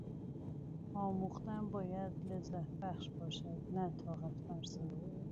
آموختن باید لذت بخش باشد نه طاقت فرسا.